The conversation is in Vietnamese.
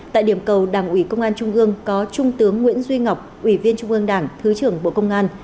tại điểm cầu đảng ủy công an trung ương có trung tướng nguyễn duy ngọc ủy viên trung ương đảng thứ trưởng bộ công an